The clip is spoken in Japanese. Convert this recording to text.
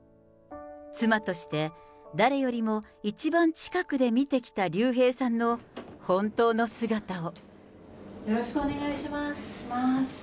妻として、誰よりも一番近くで見てきた竜兵さんの本当の姿を。